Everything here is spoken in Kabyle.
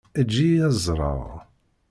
Eǧǧ-iyi ad ẓreɣ.